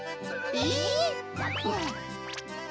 えっ？